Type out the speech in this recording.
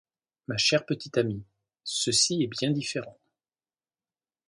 Ma chère petite amie, ceci est bien différent.